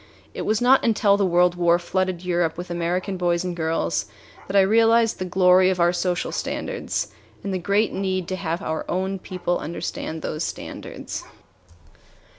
It was not until the World War flooded Europe with American boys and girls that I realized the glory of our social standards and the great need to have our own people understand those standards.